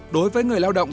đối với người lao động